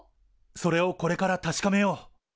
それをこれから確かめよう。